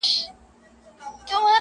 o يار دي مي تور جت وي، زما دي اسراحت وي.